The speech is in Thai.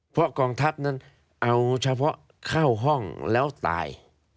เพราะกองทัพนั้นเอาเฉพาะเข้าห้องแล้วตาย